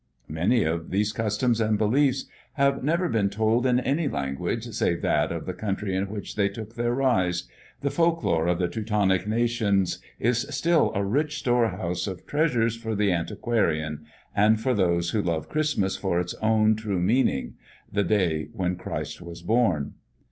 Many of these customs and beliefs have never been told in any language save that of the country in which they took their rise; the folk lore of the Teutonic nations is still a rich storehouse of treasures for the antiquarian, and for those who love Christmas for its own truest meaning, the day when Christ was born.